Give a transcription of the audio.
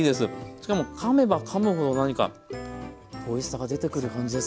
しかもかめばかむほど何かおいしさが出てくる感じです。